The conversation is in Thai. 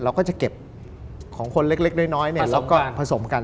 เราก็จะเก็บของคนเล็กน้อยแล้วก็ผสมกัน